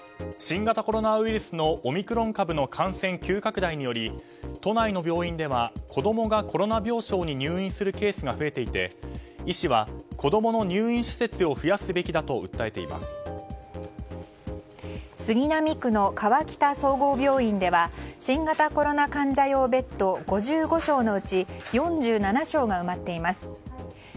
新型コロナウイルスのオミクロン株の感染急拡大により都内の病院では子供がコロナ病床に入院するケースが増えていて医師は子供の入院施設を増やすべきだと杉並区の河北総合病院では新型コロナ患者用ベッド５５床のうち４７床が埋まっています。